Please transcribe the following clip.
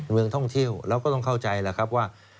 เมืองท่องเที่ยวเราก็ต้องเข้าใจแหละครับว่า